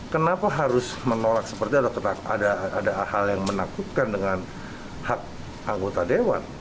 kenapa harus menolak seperti atau ada hal yang menakutkan dengan hak anggota dewan